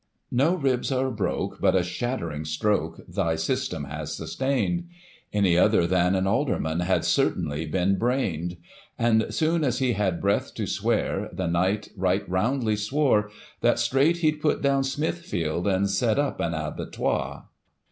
No ribs are broke, but a shattering stroke thy system has sustain' d ; Any other than an alderman had certainly been brained. And, soon as he had breath to swear, the Kni^t right roundly swore That, straight, he'd put down Smithfield, and set up an abattoir.